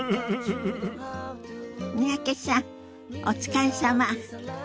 三宅さんお疲れさま。